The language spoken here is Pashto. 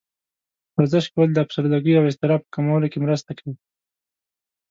ورزش کول د افسردګۍ او اضطراب په کمولو کې مرسته کوي.